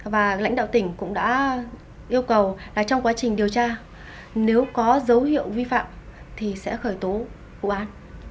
và lãnh đạo tỉnh cũng đã yêu cầu trong quá trình điều tra nếu có dấu hiệu vi phạm thì sẽ khởi tố vụ án